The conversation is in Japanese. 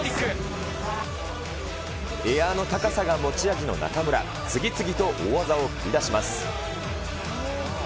エアーの高さが持ち味の中村、次々と大技を繰り出します。